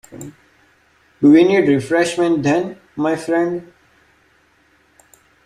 Do we need refreshment then, my friends?